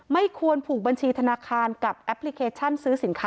ไม่ควรผูกบัญชีธนาคารกับแอปพลิเคชันซื้อสินค้า